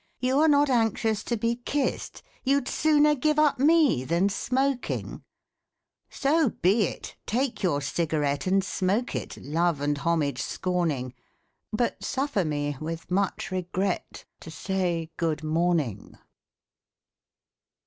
You are not anxious to be kissed I You'd sooner give up me than smoking f So be it take your cigarette And smoke it, love and homage scorning, But suffer me, with much regret, To say " Good morning